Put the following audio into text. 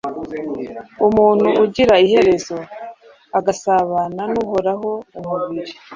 umuntu ugira iherezo agasabana n’Uhoraho, umubiri,